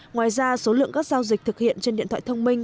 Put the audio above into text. ngoài ra số lượng các giao dịch thực hiện trên điện thoại thông minh